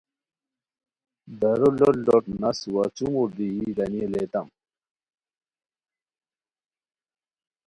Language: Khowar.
دارو لوٹ لوٹ نس وا چُومور دی یی گانی الیتام